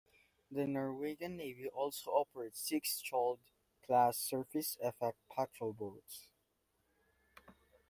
The Norwegian Navy also operates six Skjold class surface effect patrol boats.